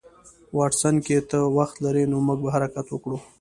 واټسن که ته وخت لرې نو موږ به حرکت وکړو